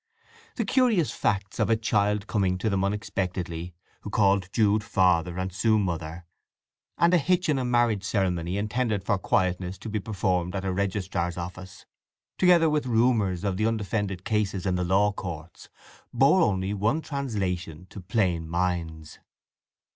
The curious facts of a child coming to them unexpectedly, who called Jude "Father," and Sue "Mother," and a hitch in a marriage ceremony intended for quietness to be performed at a registrar's office, together with rumours of the undefended cases in the law courts, bore only one translation to plain minds.